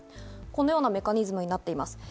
このようなメカニズムになっています。